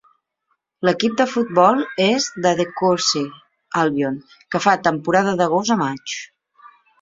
L'equip de futbol és De Courcey Albion, que fa temporada d'agost a maig.